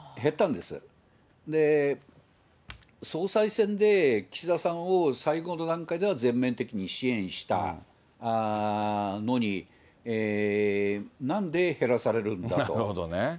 で、総裁選で岸田さんを最後の段階では全面的に支援したのに、なんで減らされるんだと。